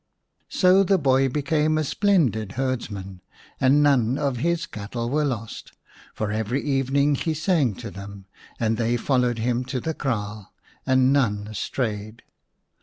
So the boy became a splendid herdsman, and none of his cattle were lost, for every evening he sang to them and they followed him to the kraal, and none strayed.